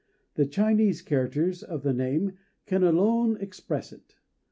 The Chinese characters of the name can alone explain it.